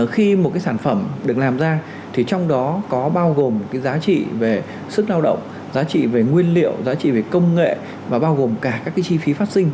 khi một sản phẩm được làm ra thì trong đó có bao gồm cái giá trị về sức lao động giá trị về nguyên liệu giá trị về công nghệ và bao gồm cả các cái chi phí phát sinh